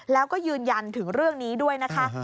แล้วก็ยืนยันถึงเรื่องนี้ด้วยนะคะ